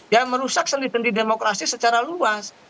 ya merusak sendi sendi demokrasi secara luas